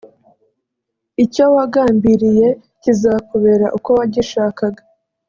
icyo wagambiriye kizakubera uko wagishakaga